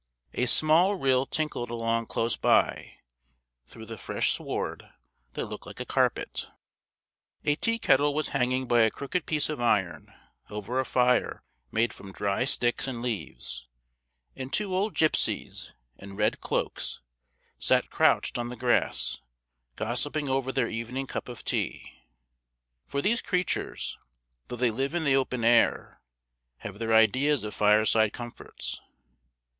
A small rill tinkled along close by, through the fresh sward, that looked like a carpet. A tea kettle was hanging by a crooked piece of iron, over a fire made from dry sticks and leaves, and two old gipsies, in red cloaks, sat crouched on the grass, gossiping over their evening cup of tea; for these creatures, though they live in the open air, have their ideas of fireside comforts.